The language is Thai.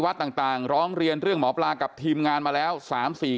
เพราะทนายอันนันชายชายเดชาบอกว่าจะเป็นการเอาคืนยังไง